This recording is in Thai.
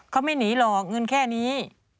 เขาไม่หนีหรอกเงินแค่นี้